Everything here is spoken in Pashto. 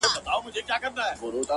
سم لكه ماهى يو سمندر تر ملا تړلى يم.